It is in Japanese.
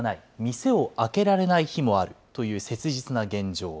店を開けられない日もあるという切実な現状。